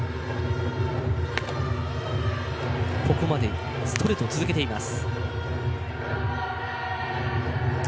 ここまでストレートを続けています。